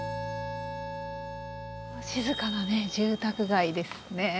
静かなね住宅街ですね。